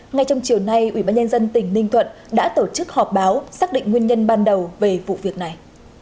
ngay trong chiều nay ủy ban nhân dân tỉnh ninh thuận đã tổ chức họp báo xác định nguyên nhân ban đầu về vụ việc này